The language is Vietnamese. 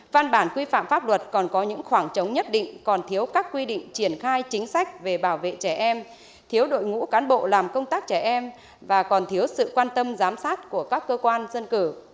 văn bản quy phạm pháp luật còn có những khoảng trống nhất định còn thiếu các quy định triển khai chính sách về bảo vệ trẻ em thiếu đội ngũ cán bộ làm công tác trẻ em và còn thiếu sự quan tâm giám sát của các cơ quan dân cử